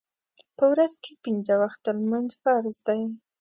په ورځ کې پنځه وخته لمونځ فرض دی